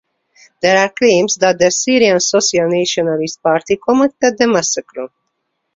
There are claims that the Syrian Social Nationalist Party committed the massacre.